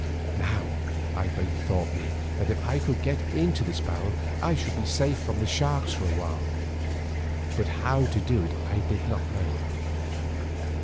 Now I bethought me, that if I could get into this barrel I should be safe from the sharks for a while, but how to do it I did not know.